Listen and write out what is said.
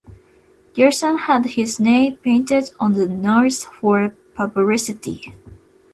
Gibson had his name painted on the nose for publicity.